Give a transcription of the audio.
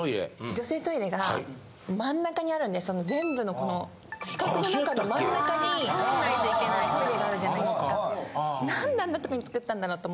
女性トイレが真ん中にあるんで全部のこの四角の中の真ん中に通らないといけないトイレがあるじゃないですか。